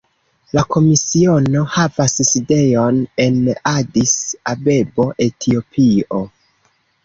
La Komisiono havas sidejon en Adis-Abebo, Etiopio.